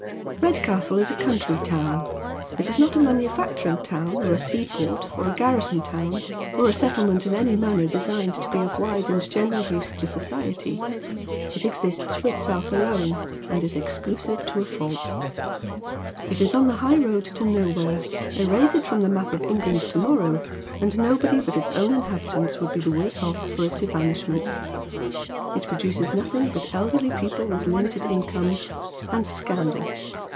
Redoastle is a country town. It is not a manufacturing town, ol a seaport, or a garrison town, or a settlement in any manner des.gned to be of wide and general use to society. It exists for itself alone, and is exclusive to a fault. It is on the high road to uow liere. Erase it lioiu the map of England to uiurrow, and 4% t)ead Mens SJioes. flobody but its own inhabitants would be the worse off for its evanishment. It produces nothing but elderly people with limited incomes, and scandal.